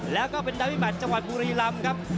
แล้วก็เป็นดับมิแมทจังหวัดบุรีลำครับ